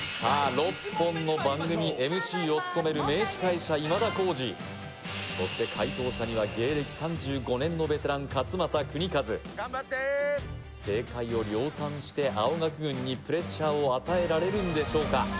６本の番組ＭＣを務める名司会者今田耕司そして解答者には勝俣州和正解を量産して青学軍にプレッシャーを与えられるんでしょうか？